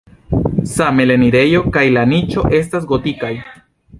Same la enirejo kaj la niĉo estas gotikaj.